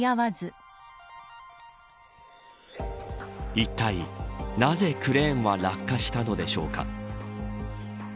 いったい、なぜクレーンは落下したのでしょうか。